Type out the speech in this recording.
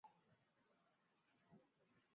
他现在效力于德国球队柏林排球俱乐部。